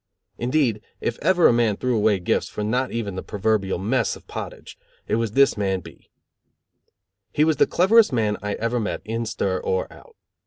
Indeed, if ever a man threw away gifts for not even the proverbial mess of pottage, it was this man B . He was the cleverest man I ever met in stir or out.